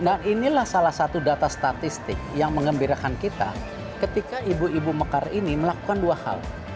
nah inilah salah satu data statistik yang mengembirakan kita ketika ibu ibu mekar ini melakukan dua hal